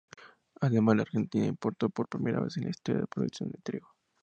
Además, la Argentina importó por primera vez en su historia producción de trigo.